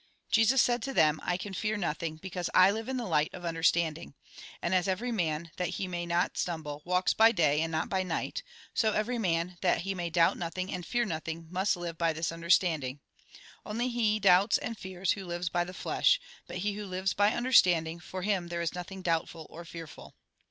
Jesus said to them :" I can fear nothing, because I live in the light of understanding. And as every man, that he may not stumble, walks by day and not by night, so every man, that he may doubt nothing and fear nothing, must live by this under 128 THE GOSPEL IN BRIEF standing. Only he doubts and fears who lives by the flesh ; hut he who lives by understanding, for him there is nothing doubtful or fearful."